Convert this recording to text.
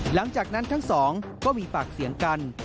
หลังจากนั้นทั้งสองก็มีปากเสียงกัน